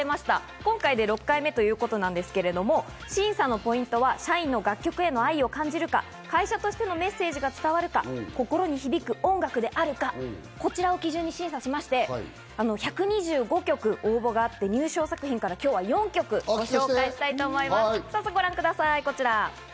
今回で６回目ということなんですが、審査のポイントは、社員の楽曲への愛を感じるか、会社としてのメッセージが伝わるか、心に響く音楽であるか、こちらを基準に審査し、１２５曲応募があり、その中から今日は４曲紹介したいと思います。